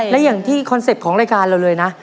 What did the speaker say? และอย่างที่คอนเซ็ปต์ของรายการเราเลยนะ